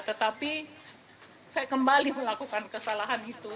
tetapi saya kembali melakukan kesalahan itu